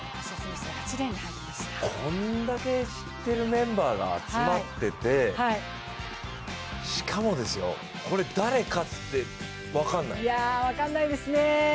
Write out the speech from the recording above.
こんだけ知っているメンバーが集まってて、しかも、これ誰かって分からない。